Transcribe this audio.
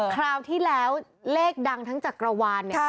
คราวที่แล้วเลขดังทั้งจักรวาลเนี่ย